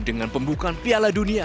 dengan pembukaan piala dunia